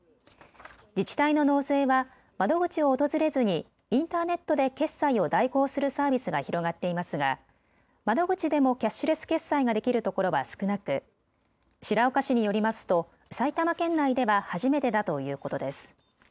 自治体の納税は窓口を訪れずにインターネットで決済を代行するサービスが広がっていますが窓口でもキャッシュレス決済ができるところは少なく白岡市によりますと埼玉県内では初めてだということです。